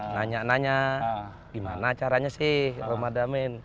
nanya nanya gimana caranya sih ramadan